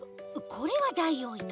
これはダイオウイカ。